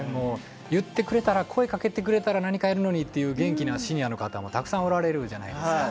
言ってくれたら声かけてくれたら何かやるのにっていう元気なシニアの方もたくさんおられるじゃないですか。